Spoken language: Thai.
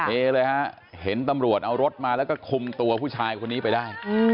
เอเลยฮะเห็นตำรวจเอารถมาแล้วก็คุมตัวผู้ชายคนนี้ไปได้